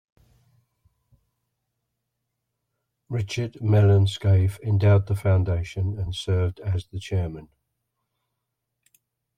Richard Mellon Scaife endowed the foundation and served as the chairman.